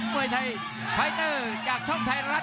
มวยไทยไฟเตอร์จากช่องไทยรัฐ